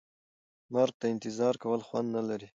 مرګ ته انتظار کول خوند نه لري.